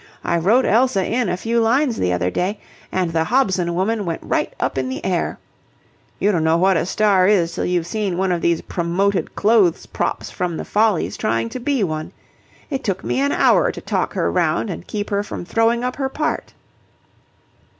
I wrote Elsa in a few lines the other day, and the Hobson woman went right up in the air. You don't know what a star is till you've seen one of these promoted clothes props from the Follies trying to be one. It took me an hour to talk her round and keep her from throwing up her part."